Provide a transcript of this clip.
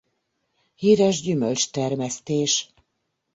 Hires gyümölcs-termesztés.